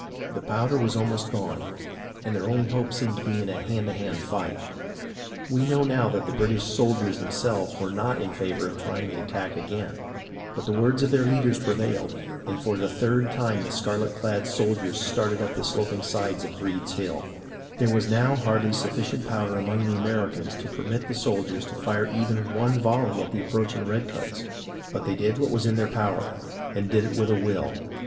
The powder was almost gone, and their only hope seemed to be in a hand to hand fight. We now know that the British soldiers themselves were not in favour of trying the attack again ; but the words of the leaders prevailed, and for the third time the scarlet clad soldiers started up the sloping sides of Breed's Hill. BUNKER HILL 6^ There was now hardly sufficient powder among the Americans to permit the soldiers to fire even one volley at the approaching redcoats, but they did what was in their power, and did it with a will.